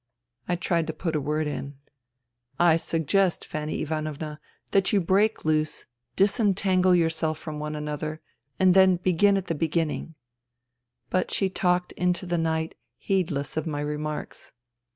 I tried to put a word in. "I suggest, Fanny Ivanovna, that you all break loose, disentangle yourselves from one another, and then begin at the beginning." But she talked on into the night, heedless of my remarks.